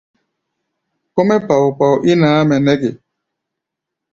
Kɔ́-mɛ́ pao-pao ín ǎmʼɛ nɛ́ ge?